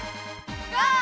ゴー！